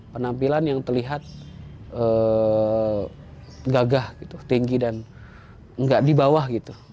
penampilan yang terlihat gagah tinggi dan tidak dibawah